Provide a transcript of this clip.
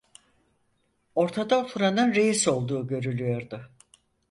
Ortada oturanın reis olduğu görülüyordu.